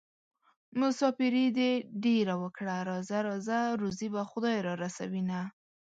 مساپري دې ډېره وکړه راځه راځه روزي به خدای رارسوينه